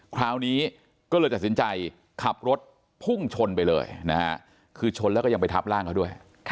คราวนี้ก็เลยตัดสินใจขับรถพุ่งชนไปเลยนะฮะคือชนแล้วก็ยังไปทับร่างเขาด้วย